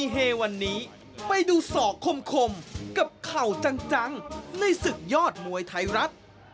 เฮวันนี้ไปดูศอกคมกับเข่าจังในศึกยอดมวยไทยรัฐ